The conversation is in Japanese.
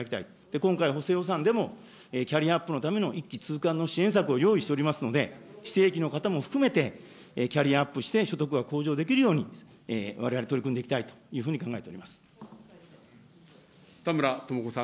今回、補正予算でもキャリアアップのための一気通貫の支援策を用意しておりますので、非正規の方も含めて、キャリアアップして、所得が向上できるように、われわれ、取り組んでいきたいというふ田村智子さん。